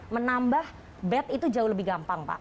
menambah bed itu jauh lebih gampang pak